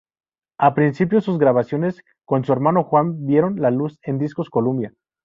Al Principio, sus grabaciones con su hermano Juan vieron la luz en discos Columbia.